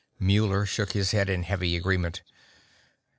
Muller shook his head in heavy agreement.